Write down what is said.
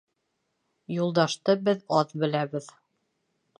— Юлдашты беҙ аҙ беләбеҙ.